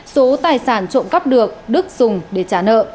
số tài sản trộm cắp được đức dùng để trả nợ